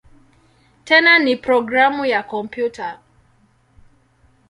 Tena ni programu ya kompyuta.